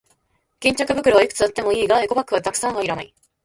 巾着袋はいくつあってもいいが、エコバッグはたくさんはいらない。